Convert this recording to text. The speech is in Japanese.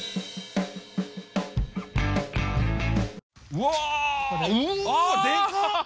うわでかっ！